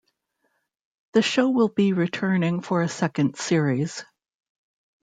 The show will be returning for a second series.